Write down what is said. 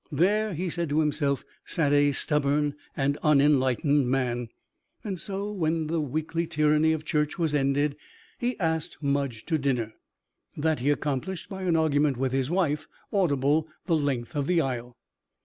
There, he said to himself, sat a stubborn and unenlightened man. And so, when the weekly tyranny of church was ended, he asked Mudge to dinner. That he accomplished by an argument with his wife, audible the length of the aisle.